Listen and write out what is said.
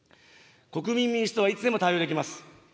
国民民主党はいつでも対応できます。